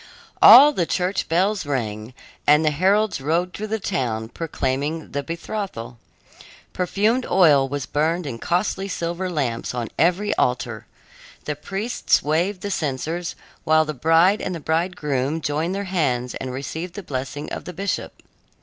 All the church bells rang, and the heralds rode through the town proclaiming the betrothal. Perfumed oil was burned in costly silver lamps on every altar. The priests waved the censers, while the bride and the bridegroom joined their hands and received the blessing of the bishop.